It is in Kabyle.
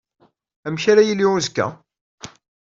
Amek ara yili uzekka?